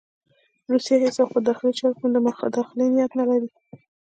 روسیه هېڅ وخت په داخلي چارو کې د مداخلې نیت نه لري.